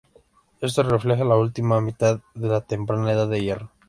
Esto refleja la última mitad de la temprana Edad del Hierro.